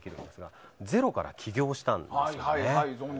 ゼロから起業したんです。